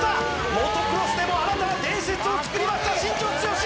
モトクロスでも新たな伝説をつくりました新庄剛志